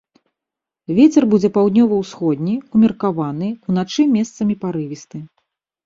Вецер будзе паўднёва-ўсходні, умеркаваны, уначы месцамі парывісты.